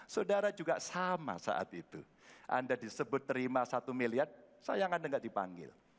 saudara juga sama saat itu anda disebut terima satu miliar sayang anda nggak dipanggil